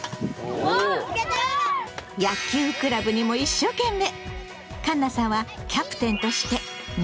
野球クラブにも一生懸命！